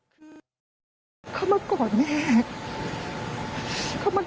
ลูกจะรีบก่อนพัน